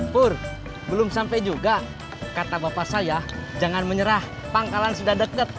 pur belum sampe juga kata bapak saya jangan menyerah pangkalan sudah deket